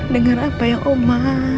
dengar apa yang oma